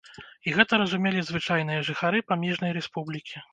І гэта разумелі звычайныя жыхары памежнай рэспублікі.